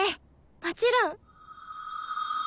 もちろん！